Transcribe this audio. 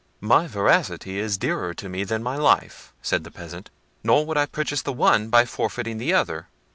"My veracity is dearer to me than my life," said the peasant; "nor would I purchase the one by forfeiting the other."